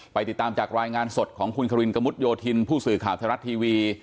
ติดตามจากรายงานสดของคุณครินกระมุดโยธินผู้สื่อข่าวไทยรัฐทีวี